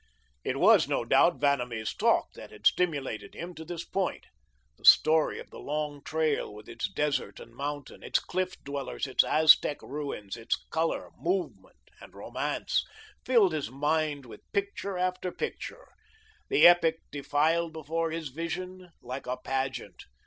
It was, no doubt, Vanamee's talk that had stimulated him to this point. The story of the Long Trail, with its desert and mountain, its cliff dwellers, its Aztec ruins, its colour, movement, and romance, filled his mind with picture after picture. The epic defiled before his vision like a pageant.